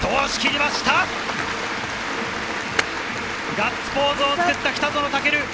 ガッツポーズを作った北園丈琉。